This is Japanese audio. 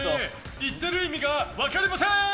言ってる意味が分かりません！